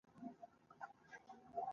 غرمه شوه کوټې ته ستون شوم.